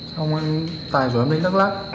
xong tài rủ em đến đắk lắk